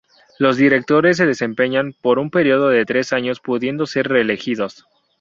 Los directores se desempeñan por un periodo de tres años pudiendo ser reelegidos.